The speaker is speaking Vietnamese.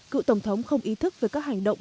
cựu tổng thống không ý thức về các hành động